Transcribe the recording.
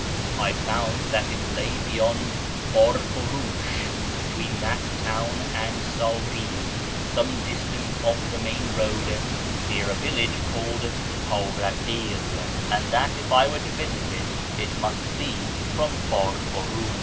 I found that it lay beyond Barfurush, between that town and Sari, some distance off the main road near a village called Karaghi'l, and that if I were to visit it, it must be from Barfurush.